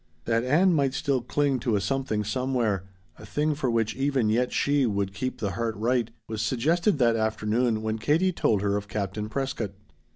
That Ann might still cling to a Something Somewhere a thing for which even yet she would keep the heart right was suggested that afternoon when Katie told her of Captain Prescott.